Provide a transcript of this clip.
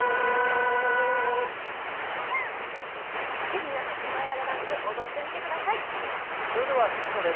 ぜひ皆さん、シマエナガダンス、踊ってみてください。